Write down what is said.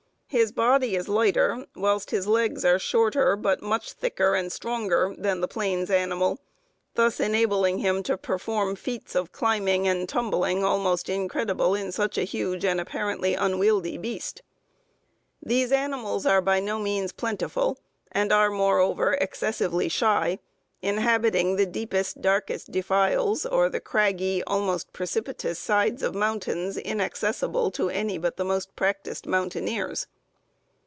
His body is lighter, whilst his legs are shorter, but much thicker and stronger, than the plains animal, thus enabling him to perform feats of climbing and tumbling almost incredible in such a huge and apparently unwieldy beast. "These animals are by no means plentiful, and are moreover excessively shy, inhabiting the deepest, darkest defiles, or the craggy, almost precipitous, sides of mountains inaccessible to any but the most practiced mountaineers.